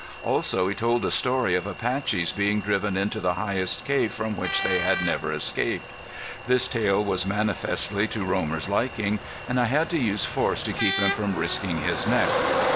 Also he told a story of Apaches being driven into the highest cave from which they had never escaped. This tale was manifestly to Romer's liking and I had to use force to keep him from risking his neck.